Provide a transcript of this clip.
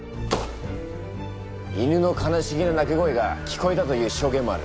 犬の悲しげな鳴き声が聞こえたという証言もある。